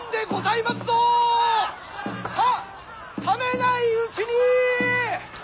さあ冷めないうちに！